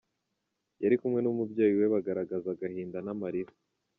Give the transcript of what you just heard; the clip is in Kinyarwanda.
Yari kumwe n’umubyeyi we bagaragazaga agahinda n’amarira.